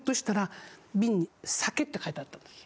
瓶に酒って書いてあったんです。